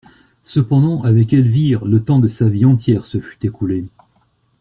Cependant, avec Elvire, le temps de sa vie entière se fût écoulé.